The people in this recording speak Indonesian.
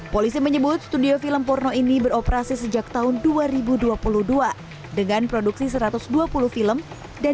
polisi menyebut studio film porno ini beroperasi sejak tahun dua ribu dua puluh dua dengan produksi satu ratus dua puluh film dan